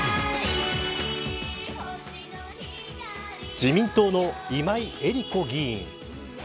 自民党の今井絵理子議員。